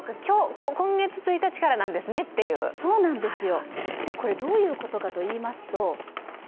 今月１日からなんですねっていうそうなんですよ。